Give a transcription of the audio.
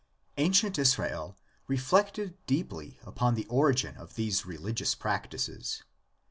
Ancient Israel reflected deeply upon the origin of these religious practices.